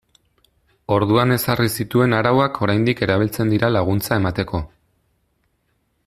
Orduan ezarri zituen arauak oraindik erabiltzen dira laguntza emateko.